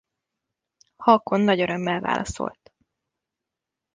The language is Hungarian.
Haakon nagy örömmel válaszolt.